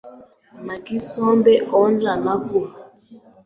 maggi sombe, onja na gouts,